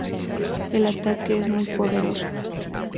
El ataque es muy poderoso.